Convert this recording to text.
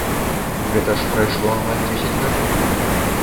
Гэта ж прайшло амаль дзесяць гадоў.